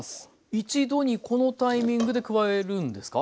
一度にこのタイミングで加えるんですか？